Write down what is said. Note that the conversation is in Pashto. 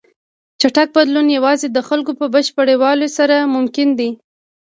چټک بدلون یوازې د خلکو په بشپړ یووالي سره ممکن دی.